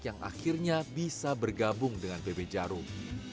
yang akhirnya bisa bergabung dengan pb jarum